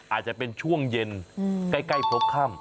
อาจจะเป็นช่วงเย็นใกล้พบค่ำ